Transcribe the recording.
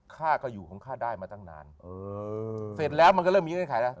ข้าก็อยู่ของข้าได้มาตั้งนานเสร็จแล้วเริ่มมีเงินขายได้